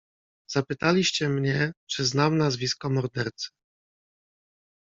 "Zapytaliście mnie, czy znam nazwisko mordercy."